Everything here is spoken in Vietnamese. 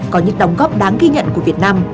có những đóng góp đáng ghi nhận của việt nam